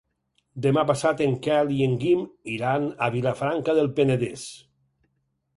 Demà passat en Quel i en Guim iran a Vilafranca del Penedès.